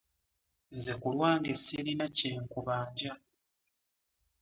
Nze ku lwange ssirina kye nkubanja.